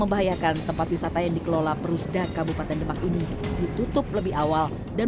membahayakan tempat wisata yang dikelola perusda kabupaten demak ini ditutup lebih awal dan